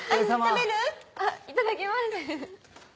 あっいただきます！